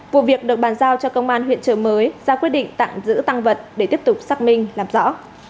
vụ việc được bàn giao cho công an huyện trợ mới ra quyết định tạm giữ tăng vật để tiếp tục xác minh làm rõ